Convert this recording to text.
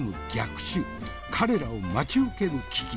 彼らを待ち受ける危機。